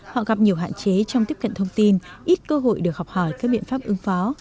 họ gặp nhiều hạn chế trong tiếp cận thông tin ít cơ hội được học hỏi các biện pháp ứng phó